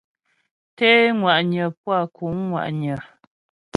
Té ŋwa'nyə puá kǔŋ ŋwa'nyə.